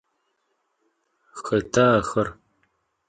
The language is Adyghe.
Xeta axer?